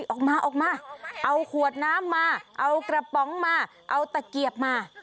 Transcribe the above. ออกมาออกมาเอาขวดน้ำมาเอากระป๋องมาเอาตะเกียบมา